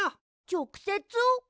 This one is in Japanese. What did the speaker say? ちょくせつ？